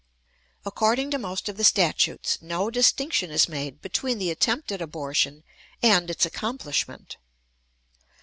According to most of the statutes no distinction is made between the attempt at abortion and its accomplishment.